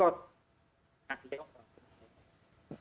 แต่คันต่อมาจะเบรกแล้วก็หักเลี้ยวออก